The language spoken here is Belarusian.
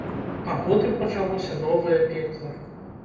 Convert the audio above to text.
А потым пачалося новае пекла.